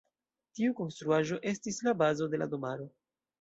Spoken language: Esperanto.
Tiu konstruaĵo estis la bazo de la domaro.